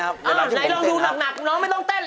อ้าวไหนลองอยู่หนักน้องไม่ต้องเต้น